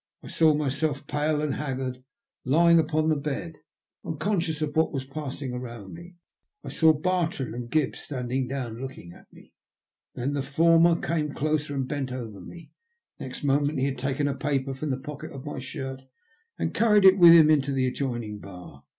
I saw myself, pale and haggard, lying upon the bed, unconscious of what was passing around me. I saw Bartrand and Gibbs standing looking down at me. Then the former came closer, and bent over me. Next moment he had taken a paper from the pocket of my shirt, and carried it with him into the adjoining bar.